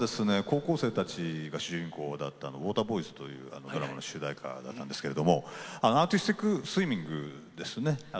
高校生たちが主人公だった「ＷＡＴＥＲＢＯＹＳ」というドラマの主題歌だったんですけれどもアーティスティックスイミングですね。